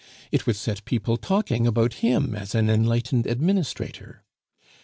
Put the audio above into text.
It would set people talking about him as an enlightened administrator.